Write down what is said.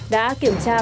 đã kiểm tra